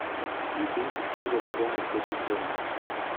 Du coup tout le ruban était au courant.